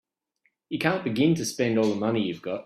You can't begin to spend all the money you've got.